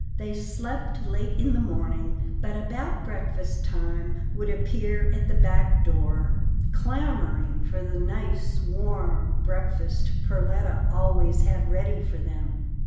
They slept late in the morning, but about breakfast time would appear at the back door, clamouring for the nice warm breakfast Per letta always had ready for them.